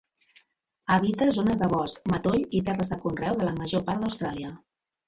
Habita zones de bosc, matoll i terres de conreu de la major part d'Austràlia.